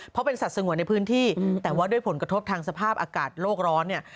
เพราะเป็นสัตว์สงวนในพื้นที่แต่ว่าด้วยผลกระทบทางสภาพอากาศโลกร้อนเนี่ย